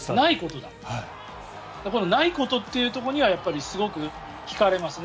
ないことというところにはすごく引かれますね。